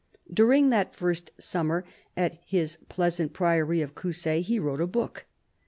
During that first summer, at his pleasant priory of Coussay, he wrote a book.